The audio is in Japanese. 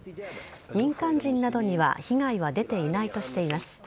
民間人などには被害は出ていないとしています。